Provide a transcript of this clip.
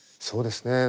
そうですね。